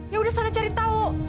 ya udah sana cari tahu